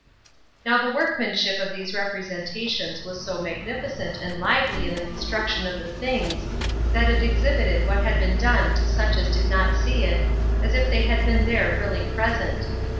Now the workmanship of these representations was so magnificent and lively in the construction of the things, that it exhibited what had been done to such as did not see it, as if they had been there really present.